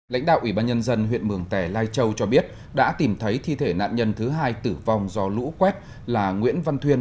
lãnh đạo ủy ban nhân dân huyện mường tẻ lai châu cho biết đã tìm thấy thi thể nạn nhân thứ hai tử vong do lũ quét là nguyễn văn thuyên